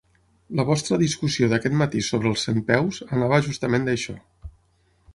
La vostra discussió d'aquest matí sobre els centpeus anava justament d'això.